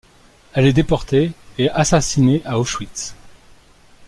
Elle est déportée et assassinée à Auschwitz.